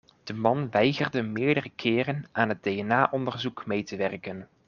De man weigerde meerdere keren aan het DNA-onderzoek mee te werken.